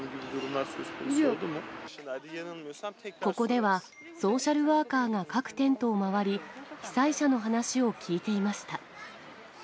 ここでは、ソーシャルワーカーが各テントを回り、被災者の話を聞いていました。